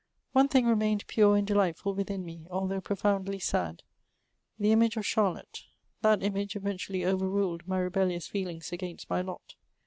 One thing remained pure and delightful within me, althoi^;fa profoundly sad : the image of Chazlotte ; that image eTeotn ally overniled my rebellMos Sselings against my lot.